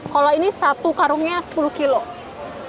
kalau ini satu karungnya sepuluh kilo